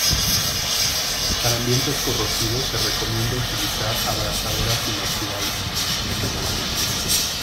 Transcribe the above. Para ambientes corrosivos se recomienda utilizar abrazaderas inoxidables.